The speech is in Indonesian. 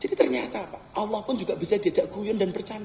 jadi ternyata allah pun juga bisa diajak kuyun dan berhutang